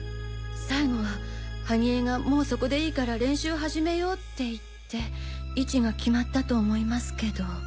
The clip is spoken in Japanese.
最後は萩江がもうそこでいいから練習始めよ！って言って位置が決まったと思いますけど。